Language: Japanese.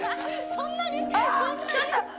そんなに！？